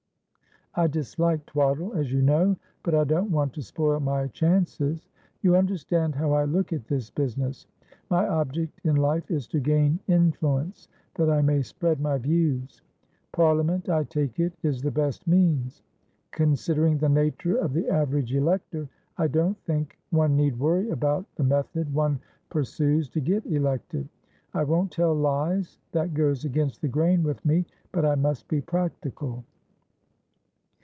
I dislike twaddle, as you know, but I don't want to spoil my chances. You understand how I look at this business? My object in life is to gain influence, that I may spread my views. Parliament, I take it, is the best means. Considering the nature of the average elector, I don't think one need worry about the method one pursues to get elected. I won't tell lies; that goes against the grain with me. But I must be practical."